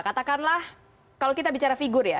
katakanlah kalau kita bicara figur ya